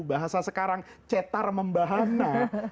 bahasa sekarang cetar membahana